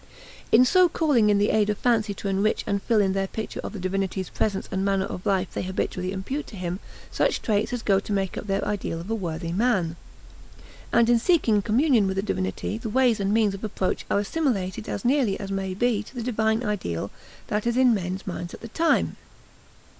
In so calling in the aid of fancy to enrich and fill in their picture of the divinity's presence and manner of life they habitually impute to him such traits as go to make up their ideal of a worthy man. And in seeking communion with the divinity the ways and means of approach are assimilated as nearly as may be to the divine ideal that is in men's minds at the time.